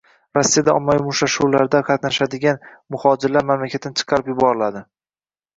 Rossiyada ommaviy mushtlashuvlarda qatnashadigan muhojirlar mamlakatdan chiqarib yuboriladi